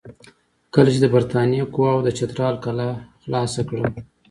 کله چې د برټانیې قواوو د چترال کلا خلاصه کړه.